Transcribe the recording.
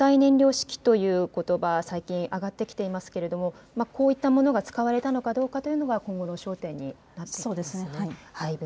固体燃料式ということば、最近、あがっていますけれどもこういったものが使われたのかどうかというのが今後の焦点になってきますかね。